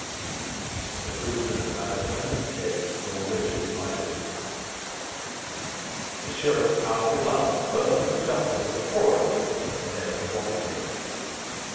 The prisoner neither turned his head nor lifted his eyelids. The sheriff cast a glance first at the justice of the quorum and then at the wapentake.